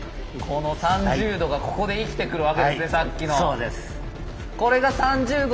この３０°がここで生きてくるわけですねさっきの。